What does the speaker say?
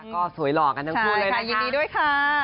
ก็สวยหล่อกันทั้งคู่เลยนะยินดีด้วยค่ะ